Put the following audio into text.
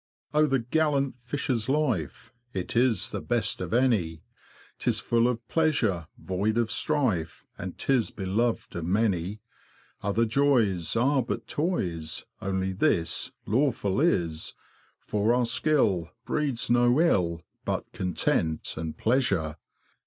Oh, the gallant fisher's life, It is the best of any ! 'Tis fuU of pleasure, void of strife. And 'tis beloved by many : Other joys Are but toys; Only this Lawful is ; For our skill Breeds no ill, But content and pleasure.